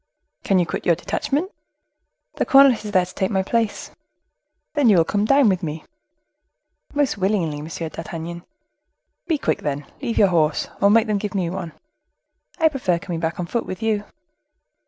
"Can you quit your detachment?" "The cornet is there to take my place." "Then you will come and dine with me?" "Most willingly, Monsieur d'Artagnan." "Be quick, then; leave your horse, or make them give me one." "I prefer coming back on foot with you."